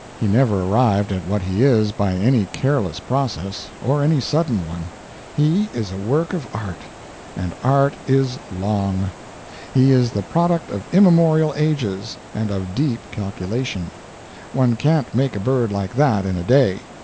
He never arrived at what he is by any careless process, or any sudden one; he is a work of art, and "art is long"; he is the product of immemorial ages, and of deep calculation; one can't make a bird like that in a day.